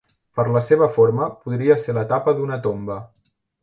Per la seva forma podria ser la tapa d'una tomba.